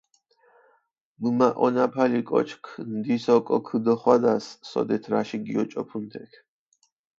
მჷმაჸონაფალი კოჩქ ნდის ოკო ქჷდოხვადას, სოდეთ რაში გიოჭოფუნ თექ.